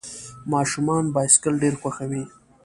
ماشومان بایسکل ډېر خوښوي.